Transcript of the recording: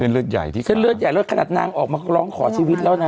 เลือดใหญ่ที่เส้นเลือดใหญ่เลือดขนาดนางออกมาร้องขอชีวิตแล้วนะ